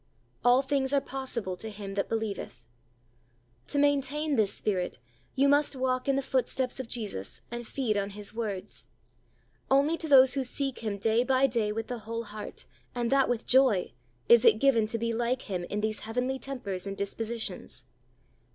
"All things are possible to him that believeth." To maintain this spirit you must walk in the footsteps of Jesus and feed on His words. Only to those who seek Him day by day with the whole heart, and that with joy, is it given to be like Him in these heavenly tempers and dispositions.